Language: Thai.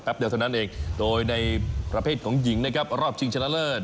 เดียวเท่านั้นเองโดยในประเภทของหญิงนะครับรอบชิงชนะเลิศ